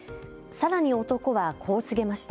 さらに男はこう告げました。